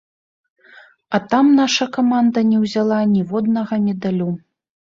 А там наша каманда не ўзяла ніводнага медалю.